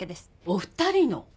お二人の？